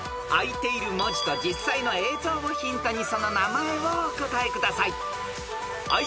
［あいている文字と実際の映像をヒントにその名前をお答えください］